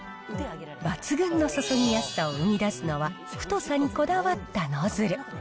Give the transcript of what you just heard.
抜群の注ぎやすさを生み出すのは、太さにこだわったノズル。